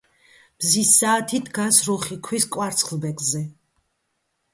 მზის საათი დგას რუხი ქვის კვარცხლბეკზე.